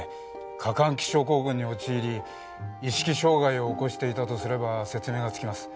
過換気症候群に陥り意識障害を起こしていたとすれば説明がつきます。